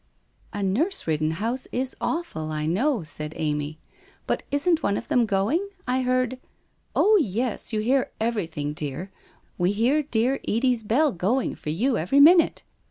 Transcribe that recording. ' A nurse ridden house is awful, I know,' said Amy, ' but isn't one of them going? I heard '' Ob, yes, you hear everything, dear, we hear dear ESdiefa bell going for you every minute.